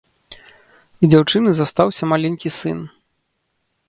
У дзяўчыны застаўся маленькі сын.